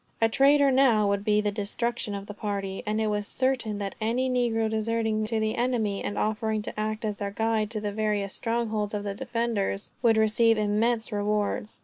A traitor now would be the destruction of the party; and it was certain that any negro deserting to the enemy, and offering to act as their guide to the various strongholds of the defenders, would receive immense rewards.